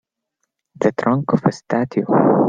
The trunk of a statue.